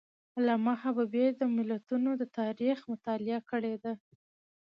علامه حبیبي د ملتونو د تاریخ مطالعه کړې ده.